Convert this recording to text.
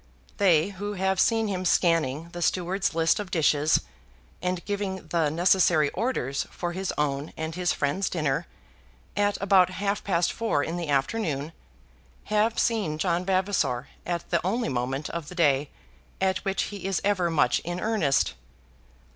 They who have seen him scanning the steward's list of dishes, and giving the necessary orders for his own and his friend's dinner, at about half past four in the afternoon, have seen John Vavasor at the only moment of the day at which he is ever much in earnest.